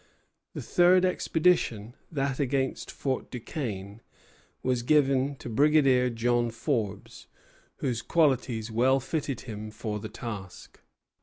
The third expedition, that against Fort Duquesne, was given to Brigadier John Forbes, whose qualities well fitted him for the task.